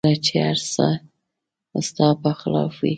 کله چې هر څه ستا په خلاف وي